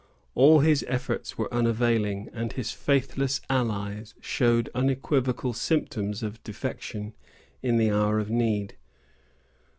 All his efforts were unavailing, and his faithless allies showed unequivocal symptoms of defection in the hour of need.